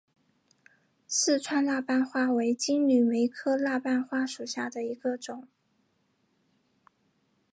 四川蜡瓣花为金缕梅科蜡瓣花属下的一个种。